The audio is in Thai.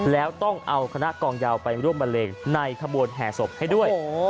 แล้วต้องเอาคณะกองยาวไปร่วมบันเลงในขบวนแห่ศพให้ด้วย